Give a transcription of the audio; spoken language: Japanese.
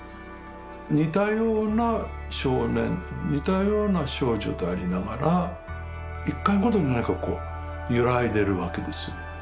似たような少年似たような少女でありながら一回ごとになんかこう揺らいでるわけですよ。